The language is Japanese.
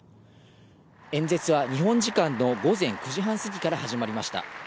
演説は日本時間の午前９時半過ぎから始まりました。